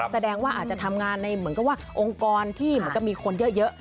แสดงว่าอาจจะทำงานในองค์กรที่มีคนเยอะ